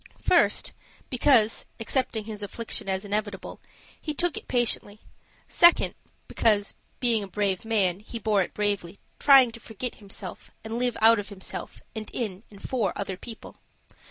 First, because, accepting his affliction as inevitable, he took it patiently; second, because, being a brave man, he bore it bravely, trying to forget himself, and live out of himself, and in and for other people.